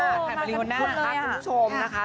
ข้าวมารีวัลหน้าครับทุกชมนะคะ